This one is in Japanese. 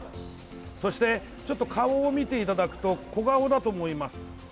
そして、顔を見ていただくと小顔だと思います。